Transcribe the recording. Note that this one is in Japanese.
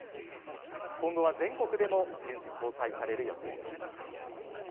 今後は全国でも順次公開される予定です。